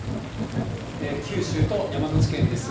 九州と山口県ですが。